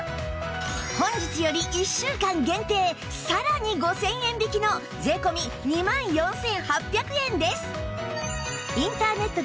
本日より１週間限定さらに５０００円引きの税込２万４８００円です